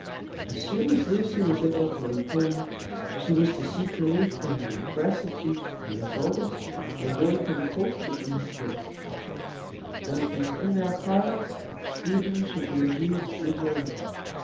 As soon as Lucy was able to leave home, she was to seek relief from the oppressive heat of this August by going to the coast with the Miss Guests; and it was in their plans that Stephen should be induced to join them.